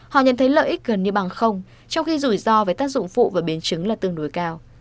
họ nhận thấy lợi ích gần như bằng không trong khi rủi ro về tác dụng phụ và biến chứng là tương đối cao